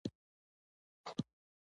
ته به وایې د زمزم اوبه دي.